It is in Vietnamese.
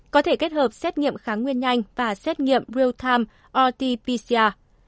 có thể kết hợp xét nghiệm kháng nguyên nhanh và xét nghiệm real time rt pcr